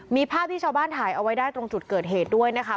มีภาพที่ชาวบ้านถ่ายเอาไว้ได้ตรงจุดเกิดเหตุด้วยนะคะ